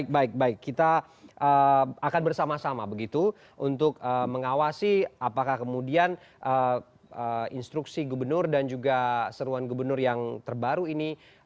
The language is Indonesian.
baik baik kita akan bersama sama begitu untuk mengawasi apakah kemudian instruksi gubernur dan juga seruan gubernur yang terbaru ini